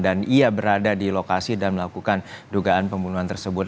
dan ia berada di lokasi dan melakukan dugaan pembunuhan tersebut